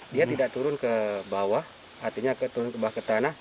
dia tidak turun ke bawah artinya turun ke bawah ke tanah